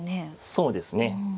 そうですね。